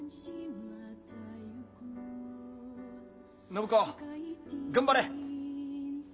暢子頑張れ！